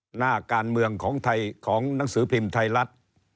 หน้าการเมืองของไทยของหนังสือพิมพ์ไทยรัฐ